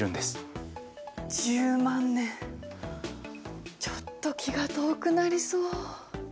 １０万年ちょっと気が遠くなりそう。